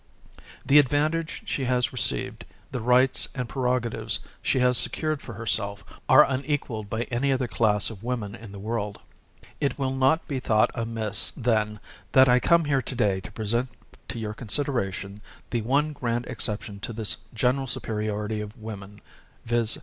The advantage, she has received, the rights and prerogatives she has secured for herself, are unequaled by any other class of women in the world. It will not be thought amiss, then, that I come here to day to present to your consideration the one grand exception to this general superiority of women, viz.